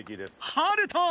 ハルト！